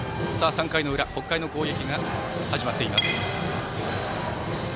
３回の裏北海の攻撃が始まっています。